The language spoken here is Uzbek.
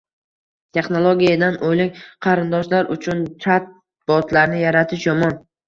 Texnologiyadan oʻlik qarindoshlar uchun chat-botlarni yaratish yomon